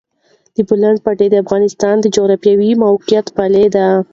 د بولان پټي د افغانستان د جغرافیایي موقیعت پایله ده.